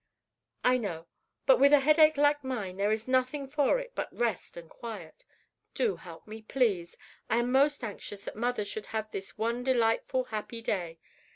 "I know, but with a headache like mine there is nothing for it but rest and quiet. Do help me, please. I am most anxious that mother should have this one delightful, happy day.